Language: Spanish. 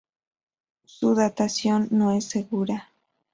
Su datación no es segura.